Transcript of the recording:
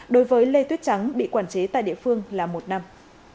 đối với lê tuyết trắng bị quản chế tại địa phương là một năm